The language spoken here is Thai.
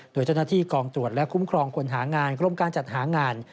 โดยเจ้าหน้าที่กองตรวจและคุ้มครองคนหางานกรมการจัดหางาน